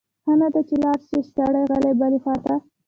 ښه نه ده چې لاړ شی سړی غلی بلې خواته؟